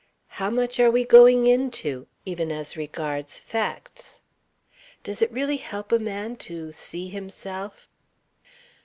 How much are we going into? Even as regards facts? "Does it really help a man to see himself?..."